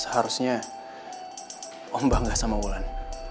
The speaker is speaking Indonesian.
seharusnya om bangga sama wulan